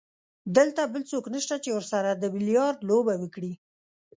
دلته بل څوک نشته چې ورسره د بیلیارډ لوبه وکړي.